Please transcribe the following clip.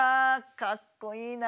かっこいいな！